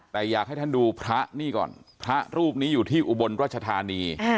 แต่อยากให้ท่านดูพระนี่ก่อนพระรูปนี้อยู่ที่อุบลรัชธานี